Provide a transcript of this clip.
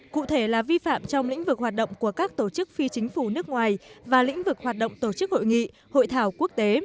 cụ thể là vi phạm trong lĩnh vực hoạt động của các tổ chức phi chính phủ nước ngoài và lĩnh vực hoạt động tổ chức hội nghị hội thảo quốc tế